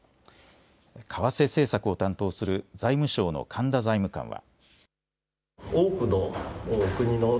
為替政策を担当する財務省の神田財務官は。